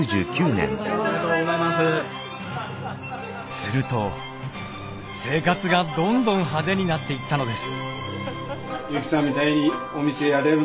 すると生活がどんどん派手になっていったのです。